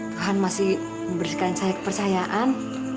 tuhan masih membersihkan saya kepercayaan